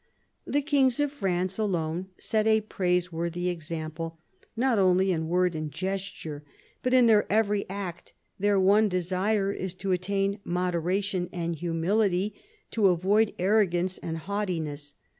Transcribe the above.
The kings of France, alone, set a praiseworthy example ; not only in word and gesture, but in their every act their one desire is to attain moderation and humility, to avoid arrogance and haughtiness.